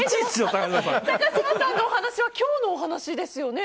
高嶋さんのお話は今日の話ですよね。